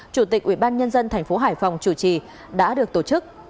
chủ tịch ủy ban nhân dân thành phố hải phòng chủ trì đã được tổ chức